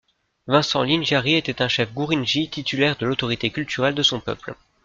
Vincent Lingiari était un chef Gurindji titulaire de l'autorité culturelle de son peuple.